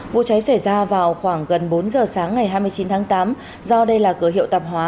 vụ cháy xảy ra vào khoảng gần bốn giờ sáng ngày hai mươi chín tháng tám do đây là cửa hiệu tạp hóa